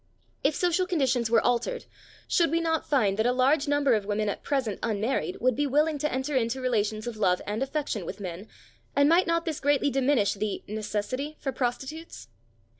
If social conditions were altered, should we not find that a large number of women at present unmarried would be willing to enter into relations of love and affection with men, and might not this greatly diminish the "necessity" for prostitutes?